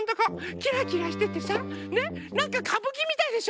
キラキラしててさねなんかかぶきみたいでしょ。